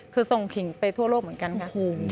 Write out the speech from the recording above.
คือส่งผิงไปทั่วโลกเหมือนกันค่ะ